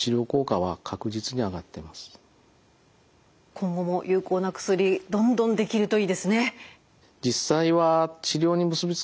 今後も有効な薬どんどんできるといいですね。